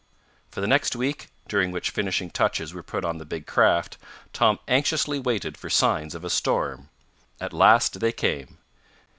For the next week, during which finishing touches were put on the big craft, Tom anxiously waited for signs of a storm. At last they came.